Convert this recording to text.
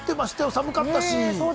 寒かったし。